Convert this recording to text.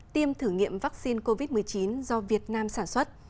tiêm thử nghiệm vaccine covid một mươi chín do việt nam sản xuất